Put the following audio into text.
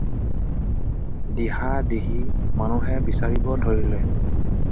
দিহা-দিহি মানুহে বিচাৰিব ধৰিলে।